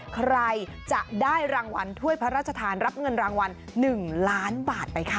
ใครจะได้รางวัลถ้วยพระราชทานรับเงินรางวัล๑ล้านบาทไปค่ะ